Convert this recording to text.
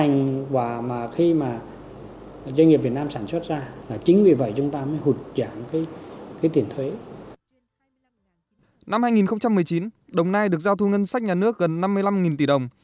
năm hai nghìn một mươi chín đồng nai được giao thu ngân sách nhà nước gần năm mươi năm tỷ đồng